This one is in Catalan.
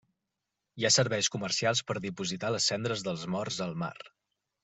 Hi ha serveis comercials per dipositar les cendres dels morts al mar.